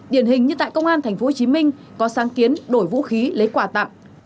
điển hình như tại công an tp hcm có sáng kiến đổi vũ khí lấy quả tạm